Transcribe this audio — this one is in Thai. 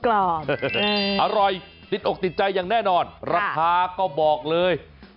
อร่อยติดอกติดใจอย่างแน่นอนราคาก็บอกเลย